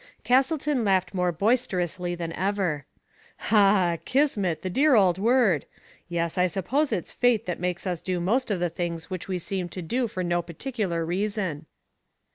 Castleton laughed more boisterously than ever. "Ah! Kismet, the dear old word. Yes, I sup pose it's fate that makes us do most of the things which we seem to do for no particular reason."